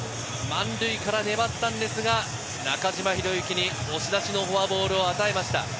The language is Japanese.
満塁から粘ったんですが、中島裕之に押し出しのフォアボールを与えました。